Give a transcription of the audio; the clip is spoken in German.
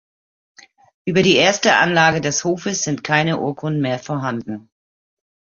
Über die erste Anlage des Hofes sind keine Urkunden mehr vorhanden.